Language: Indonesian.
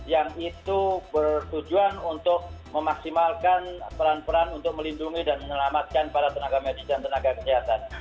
yang itu bertujuan untuk memaksimalkan peran peran untuk melindungi dan menyelamatkan para tenaga medis dan tenaga kesehatan